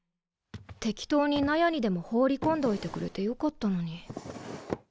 適当に納屋にでも放り込んでおいてくれてよかったのに。